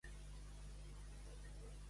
Qui desitja pastissos sap menjar coca de dacsa.